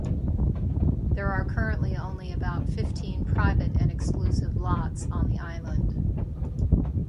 There are currently only about fifteen private and exclusive lots on the island.